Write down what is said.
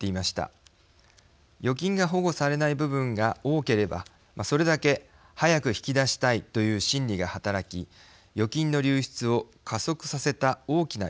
預金が保護されない部分が多ければそれだけ早く引き出したいという心理が働き預金の流出を加速させた大きな要因となっています。